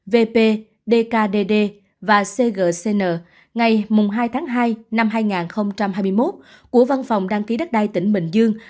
vp dkd và cgcn ngày hai tháng hai năm hai nghìn hai mươi một của văn phòng đăng ký đất đai tỉnh bình dương